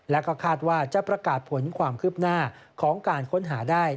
และก็คาดว่าจะประกาศผลความคืบหน้าของการค้นหาได้